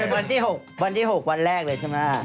วันที่๖วันแรกเลยใช่ไหม